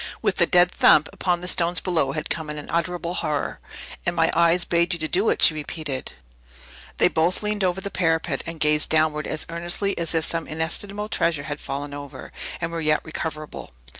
With the dead thump upon the stones below had come an unutterable horror. "And my eyes bade you do it!" repeated she. They both leaned over the parapet, and gazed downward as earnestly as if some inestimable treasure had fallen over, and were yet recoverable.